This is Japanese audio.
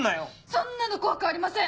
そんなの怖くありません！